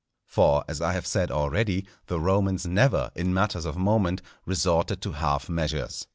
For, as I have said already, the Romans never, in matters of moment, resorted to half measures.